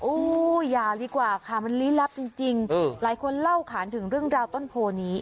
โอ้ยอย่าลีกว่าค่ะมันหลีลับจริงจริงอืมหลายคนเล่าขานถึงเรื่องราวต้นโพนนี้